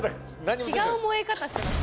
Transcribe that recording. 違う萌え方してます。